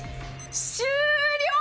終了！